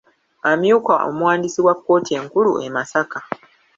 Amyuka omuwandiisi wa kooti enkulu e Masaka.